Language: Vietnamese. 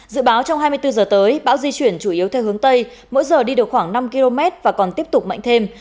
dự báo trong hai mươi bốn h tới bão di chuyển chủ yếu theo hướng tây mỗi giờ đi được khoảng năm km và còn tiếp tục mạnh thêm